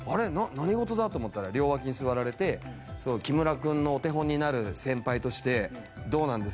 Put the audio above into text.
何事だ？と思ったら両脇に座られて木村君のお手本になる先輩としてどうなんですか？